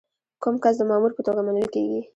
کوم کس د مامور په توګه منل کیږي؟